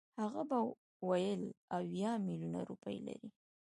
هغه به ویل اویا میلیونه روپۍ لري.